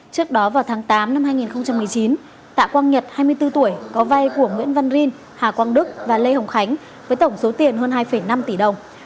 trước đó vào tháng tám năm hai nghìn một mươi chín tạ quang nhật hai mươi bốn tuổi có vay của nguyễn văn rin hà quang đức và lê hồng khánh với tổng số tiền hơn hai năm tỷ đồng